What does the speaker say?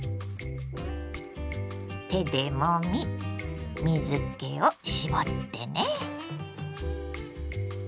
手でもみ水けを絞ってね。